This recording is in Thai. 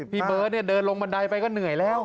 พี่เบิร์ตเดินลงบันไดไปก็เหนื่อยแล้ว